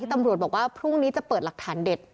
ตำรวจบอกว่าพรุ่งนี้จะเปิดหลักฐานเด็ด